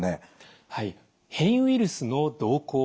変異ウイルスの動向